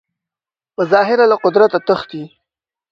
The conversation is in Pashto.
په ظاهره له قدرته تښتي